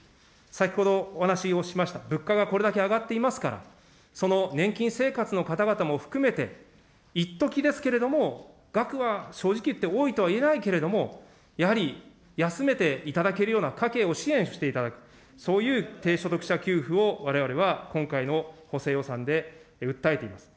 先ほどお話をしました、物価がこれだけ上がっていますから、その年金生活の方々も含めて、いっときですけれども、額は正直言って多いとはいえないけれども、やはり休めていただけるような家計を支援していただく、そういう低所得者給付を、われわれは今回の補正予算で訴えています。